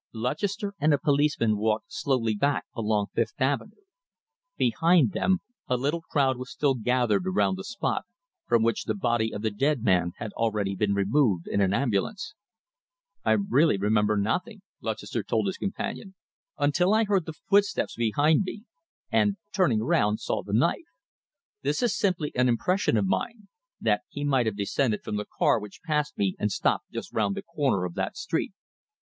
Lutchester and a policeman walked slowly back along Fifth Avenue. Behind them, a little crowd was still gathered around the spot from which the body of the dead man had already been removed in an ambulance. "I really remember nothing," Lutchester told his companion, "until I heard the footsteps behind me, and, turning round, saw the knife. This is simply an impression of mine that he might have descended from the car which passed me and stopped just round the corner of that street."